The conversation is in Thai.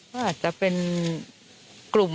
ก็อาจจะเป็นกลุ่ม